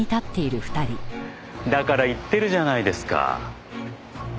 だから言ってるじゃないですか。